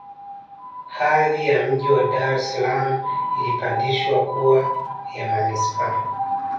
Hadhi ya Mji wa Dar es Salaam ilipandishwa kuwa ya Manispaa